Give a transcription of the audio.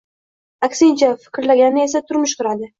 Aksincha, fikrlagani esa turmush quradi